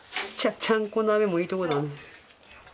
ちゃんこ鍋もいいところだね。